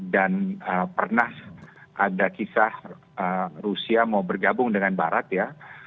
dan pernah ada kisah rusia mau bergabung dengan barat ya